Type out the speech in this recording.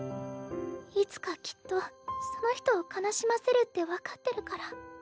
いつかきっとその人を悲しませるって分かってるから。